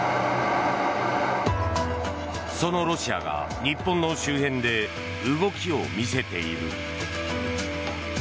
そのロシアが日本の周辺で動きを見せている。